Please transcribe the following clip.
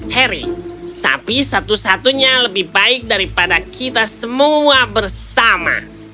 heri sapi satu satunya lebih baik daripada kita semua bersama